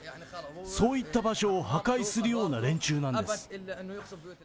そういった場所を破壊するような連中なんです。